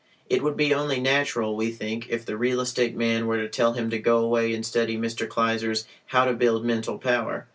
It would be only natural, we think, if the real estate man were to tell him to go away and study Mr. Kleiser's "How to Build Mental Power."